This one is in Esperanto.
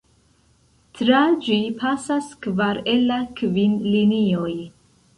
Tra ĝi pasas kvar el la kvin linioj.